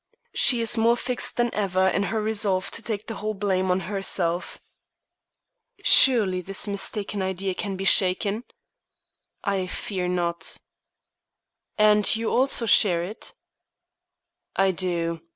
She is more fixed than ever in her resolve to take the whole blame on herself." "Surely this mistaken idea can be shaken?" "I fear not." "And you also share it?" "I do.